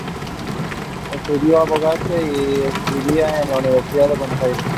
Estudió abogacía y escribanía en la Universidad de Buenos Aires.